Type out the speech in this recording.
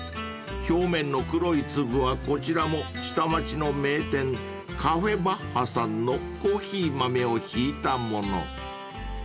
［表面の黒い粒はこちらも下町の名店カフェバッハさんのコーヒー豆をひいたもの］